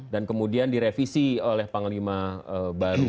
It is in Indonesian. dan kemudian direvisi oleh panglima baru